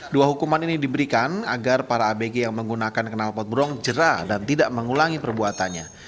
dua hukuman ini diberikan agar para abg yang menggunakan kenal potbrong jerah dan tidak mengulangi perbuatannya